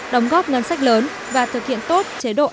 đóng góp ngân sách lớn và thực hiện tốt